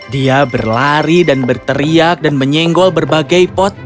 dia berlari dan berteriak dan menyenggol berbagai pot